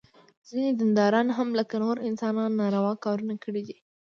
ځینې دینداران هم لکه نور انسانان ناروا کارونه کړي دي.